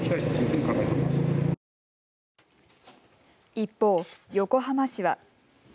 一方、横浜市は。